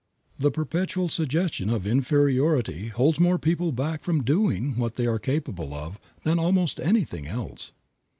The perpetual suggestion of inferiority holds more people back from doing what they are capable of than almost anything else.